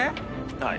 はい。